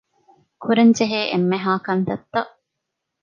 ކުރަންޖެހޭ އެންމެހައި ކަންތައްތައް